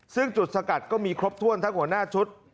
ซึ่งจุดสกัดก็มีครบถ้วนทั้งหัวหน้าชุด